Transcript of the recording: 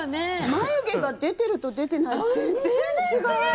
眉毛が出てると出てないは全然違う！